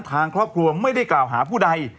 ทางครอบครัวไม่ได้กล่าวหาผู้ใด